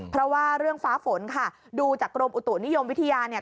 เพราะว่าเรื่องฟ้าฝนค่ะดูจากกรมอุตุนิยมวิทยาเนี่ย